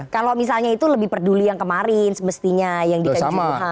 kalau misalnya itu lebih peduli yang kemarin semestinya yang dikejut